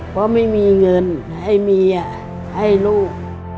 เพราะไม่มีเงินให้เมียให้ลูก